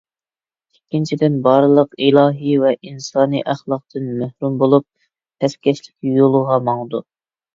ئىككىنچىدىن، بارلىق ئىلاھىي ۋە ئىنسانىي ئەخلاقتىن مەھرۇم بولۇپ، پەسكەشلىك يولىغا ماڭىدۇ.